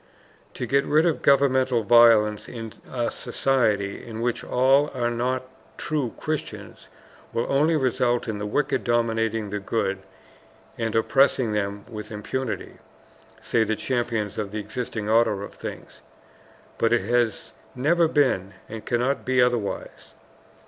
"To get rid of governmental violence in a society in which all are not true Christians, will only result in the wicked dominating the good and oppressing them with impunity," say the champions of the existing order of things. But it has never been, and cannot be otherwise.